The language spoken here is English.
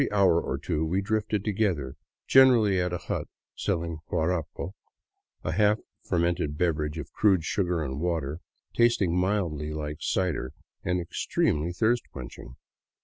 Every hour or two we drifted together, generally at a hut selling guarapo, a half fer mented beverage of crude sugar and water, tasting mildly like cider and extremely thirst quenching.